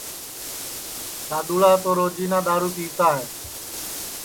سادؔوݪا تو روجینا دؔارو پِیوتا ہے